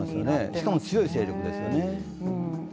しかも強い勢力ですよね。